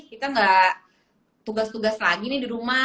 kita gak tugas tugas lagi nih di rumah